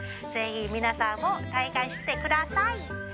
ぜひ、皆さんも体感してください！